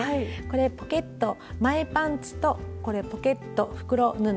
これポケット前パンツとこれポケット袋布。